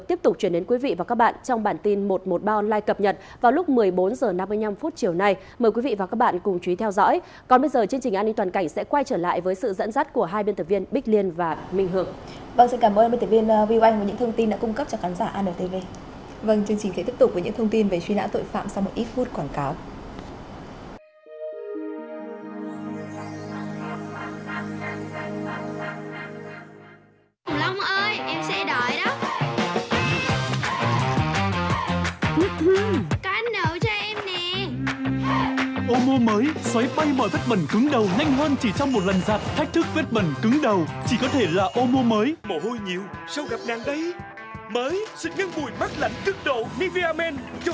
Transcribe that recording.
tiếp tục với những thông tin về suy lãn tội phạm sau một ít phút quảng cáo